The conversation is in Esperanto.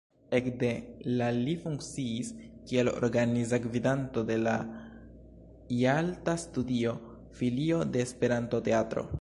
Ekde la li funkciis kiel organiza gvidanto de la jalta studio–filio de Esperanto-teatro.